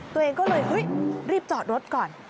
ตัวเองก็เลยเฮ้ยรีบจอดรถก่อน